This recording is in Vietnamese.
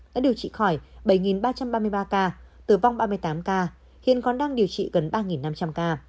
đã điều trị khỏi bảy ba trăm ba mươi ba ca tử vong ba mươi tám ca hiện còn đang điều trị gần ba năm trăm linh ca